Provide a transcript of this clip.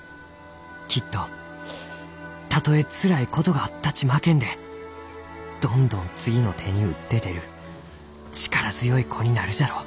「きっとたとえつらいことがあったち負けんでどんどん次の手に打って出る力強い子になるじゃろう」。